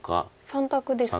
３択ですか。